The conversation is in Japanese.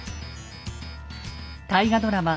大河ドラマ